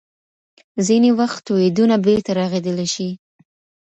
ځینې وخت تویېدنه بیرته رغېدلی شي.